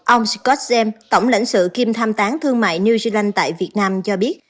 ông scott zem tổng lãnh sự kim tham tán thương mại new zealand tại việt nam cho biết